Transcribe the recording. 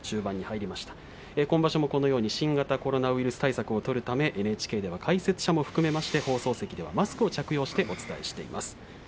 今場所はこのように新型コロナウイルス対策を取るためにＮＨＫでは解説者も含めまして放送席ではマスクを着けてお伝えします。